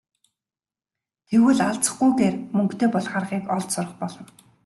Тэгвэл алзахгүйгээр мөнгөтэй болох аргыг олж сурах болно.